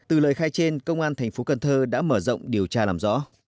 từ lời khai trên công an tp cn đã mở rộng điều tra làm rõ